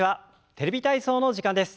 「テレビ体操」の時間です。